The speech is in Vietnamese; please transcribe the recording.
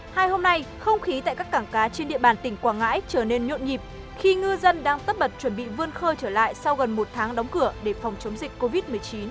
hai hôm nay không khí tại các cảng cá trên địa bàn tỉnh quảng ngãi trở nên nhộn nhịp khi ngư dân đang tất bật chuẩn bị vươn khơi trở lại sau gần một tháng đóng cửa để phòng chống dịch covid một mươi chín